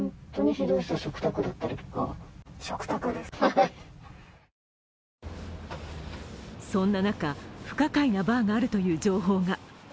しかしそんな中、不可解なバーがあるという情報が。